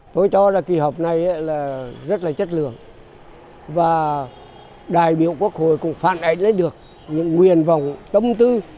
tôi cho là kỳ họp này rất là chất lượng và đại biểu quốc hội cũng phản ảnh lấy được những nguyền vọng tâm tư